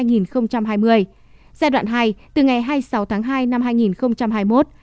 giai đoạn hai từ ngày hai mươi sáu tháng hai năm hai nghìn hai mươi một